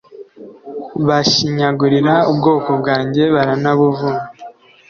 Bashinyagurira ubwoko bwanjye baranabuvuma